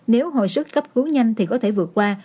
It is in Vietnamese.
nếu hồi sức cấp cứu nhanh thì có thể vượt qua